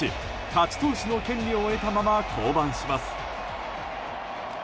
勝ち投手の権利を得たまま降板します。